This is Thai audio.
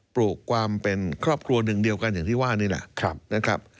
ปลูกความเป็นครอบครัวหนึ่งเดียวกันอย่างที่ว่านี่แหละนะครับ